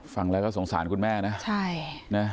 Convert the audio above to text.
ฟังแล้วก็สงสารคุณแม่นะ